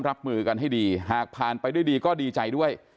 รับมือกันให้ดีหากผ่านไปด้วยดีก็ดีใจด้วย